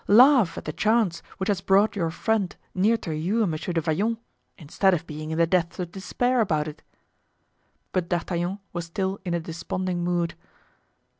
Laugh at the chance which has brought your friend near to you and Monsieur du Vallon, instead of being in the depths of despair about it." But D'Artagnan was still in a desponding mood.